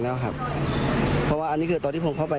แต่ผมก็เลยเปิดแล้วก็ผมส่องเข้าไป